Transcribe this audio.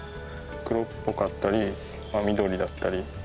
黒っぽかったり緑だったり黄色っぽく。